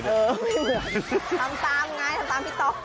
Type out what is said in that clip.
ทำตามไงทำตามพี่ตอบ